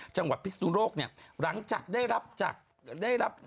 จังหวัดพิสุนุโรคเนี่ย